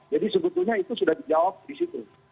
jadi sebetulnya itu sudah dijawab di situ